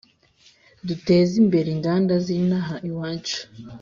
Duteze imbere inganda z’inaha iwacu